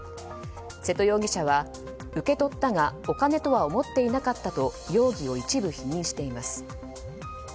瀬戸容疑者は受け取ったがお金とは思っていなかったと容疑を一部否認しています。